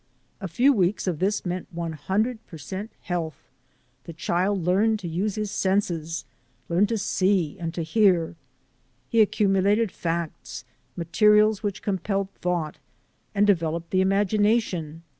A few weeks of this meant one hundred per cent health. The child learned to use his senses, learned to see and to hear; he accumulated facts, materials which compelled thought and developed the imagination.